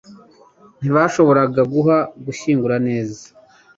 Ntibashoboraga guha gushyingura neza.